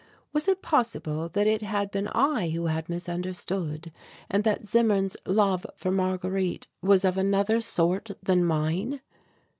Was it possible that it had been I who had misunderstood and that Zimmern's love for Marguerite was of another sort than mine?